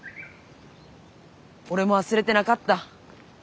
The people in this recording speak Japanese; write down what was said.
俺も忘れてなかった。